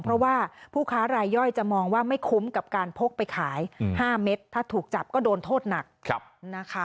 เพราะว่าผู้ค้ารายย่อยจะมองว่าไม่คุ้มกับการพกไปขาย๕เม็ดถ้าถูกจับก็โดนโทษหนักนะคะ